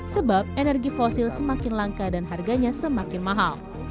sebab energi fosil semakin langka dan harganya semakin mahal